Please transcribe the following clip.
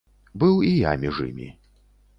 Быў і я між імі.